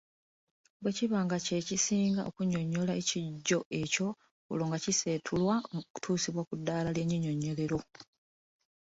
Bwe kiba nga kye kisinga okunnyonnyola ekijjo ekyo, olwo nga kiseetulwa okutuusibwa ku ddaala ly’ennyinyonnyolero.